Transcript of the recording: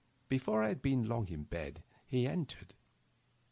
Before I had been long in bed he entered.